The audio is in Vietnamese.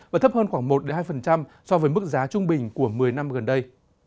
và thấp hơn khoảng một hai so với mức giá trung bình của một mươi năm gần đây